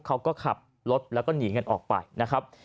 เขาก็ขับรถแล้วก็หนีกันออกไปนะครับ